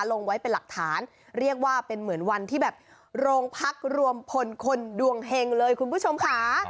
ลงไว้เป็นหลักฐานเรียกว่าเป็นเหมือนวันที่แบบโรงพักรวมพลคนดวงเฮงเลยคุณผู้ชมค่ะ